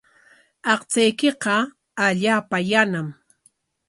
Aqchaykiqa allaapa yanam.